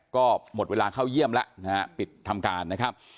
ก็หมดเวลาเข้าเยี่ยมแล้วนะฮะปิดทำการนะครับ